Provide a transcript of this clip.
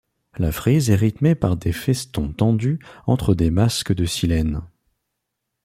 La frise est rythmée par des festons tendus entre des masques de silènes.